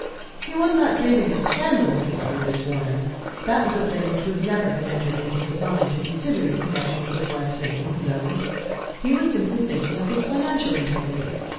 He was not dreaming of scandal when he uttered this warning; that was a thing which would never have entered into his mind to consider in connection with his wife's name or his own. He was simply thinking of his financial integrity.